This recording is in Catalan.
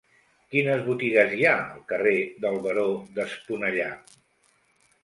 Quines botigues hi ha al carrer del Baró d'Esponellà?